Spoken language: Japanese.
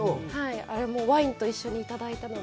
ワインと一緒にいただいたので。